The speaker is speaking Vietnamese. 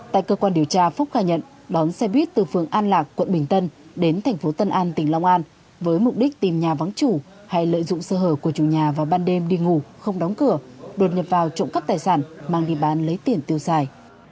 tại cơ quan điều tra phúc khai nhận đón xe buýt từ phường an lạc quận bình tân đến thành phố tân an tỉnh long an với mục đích tìm nhà vắng chủ hay lợi dụng sơ hở của chủ nhà vào ban đêm đi ngủ không đóng cửa đột nhập vào trộm cắp tài sản mang đi bán lấy tiền tiêu xài